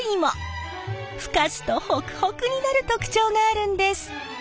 ふかすとホクホクになる特徴があるんです。